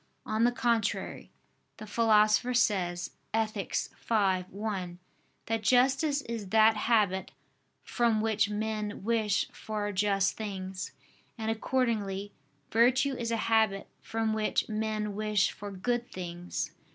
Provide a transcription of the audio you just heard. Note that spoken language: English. On the contrary, the Philosopher says (Ethic. v, 1) that justice is that habit "from which men wish for just things": and accordingly, virtue is a habit from which men wish for good things.